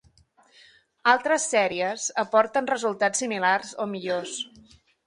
Altres sèries aporten resultats similars o millors.